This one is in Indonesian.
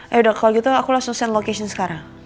eh udah kalau gitu aku langsung st location sekarang